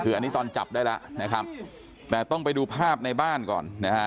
คืออันนี้ตอนจับได้แล้วนะครับแต่ต้องไปดูภาพในบ้านก่อนนะฮะ